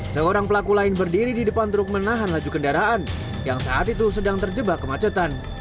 seorang pelaku lain berdiri di depan truk menahan laju kendaraan yang saat itu sedang terjebak kemacetan